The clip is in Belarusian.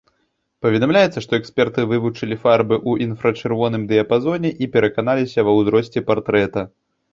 Паведамляецца, што эксперты вывучылі фарбы ў інфрачырвоным дыяпазоне і пераканаліся ва ўзросце партрэта.